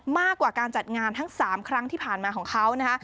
มากกว่าการจัดงานทั้ง๓ครั้งที่ผ่านมาของเขานะคะ